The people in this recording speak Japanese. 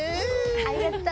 ありがと！